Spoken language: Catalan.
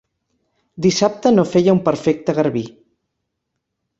Dissabte no feia un perfecte garbí.